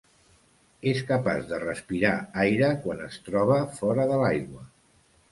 És capaç de respirar aire quan es troba fora de l'aigua.